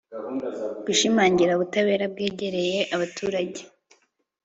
gushimangira ubutabera bwegereye abaturage